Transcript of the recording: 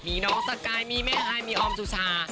มีน้องสกายมีแม่อายมีออมสุชา